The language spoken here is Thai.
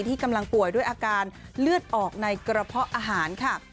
ที่กำลังป่วยด้วยอาการเลือดออกในกระเพาะอาหารค่ะ